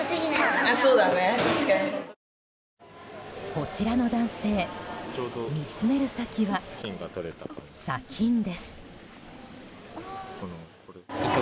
こちらの男性見つめる先は、砂金です。